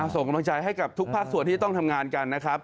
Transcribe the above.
ส่งกำลังใจให้กับทุกภาคส่วนที่จะต้องทำงานกันนะครับ